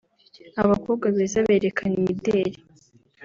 abakobwa beza berekana imideli